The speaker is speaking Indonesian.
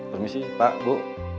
permisi pak bu